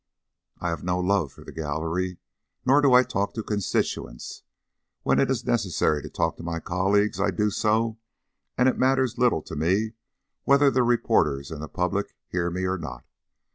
"I have no love for the gallery. Nor do I talk to constituents. When it is necessary to talk to my colleagues, I do so, and it matters little to me whether the reporters and the public hear me or not.